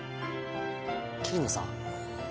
桐野さん？